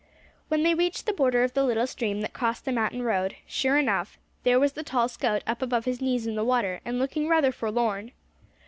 When they reached the border of the little stream that crossed the mountain road, sure enough, there was the tall scout up above his knees in the water, and looking rather forlorn.